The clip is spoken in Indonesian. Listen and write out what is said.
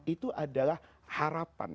itu adalah harapan